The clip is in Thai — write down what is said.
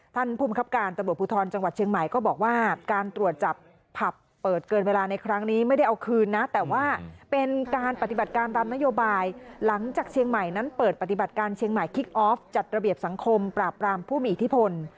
ท่านภูมิครับการตำรวจภูทรจังหวัดเชียงใหม่ก็บอกว่าการตรวจจับผับเปิดเกินเวลาในครั้งนี้ไม่ได้เอาคืนนะแต่ว่าเป็นการปฏิบัติการตามนโยบายหลังจากเชียงใหม่นั้นเปิดปฏิบัติการเชียงใหม่คิกออฟจัดระเบียบสังคมปราบรามผู้มีอิทธิพล